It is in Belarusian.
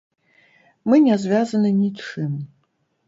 Мы не звязаны нічым.